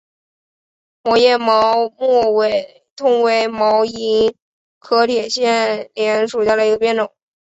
膜叶毛木通为毛茛科铁线莲属下的一个变种。